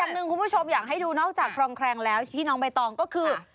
หนึ่งคุณผู้ชมอยากให้ดูนอกจากครองแคลงแล้วที่น้องใบตองก็คือ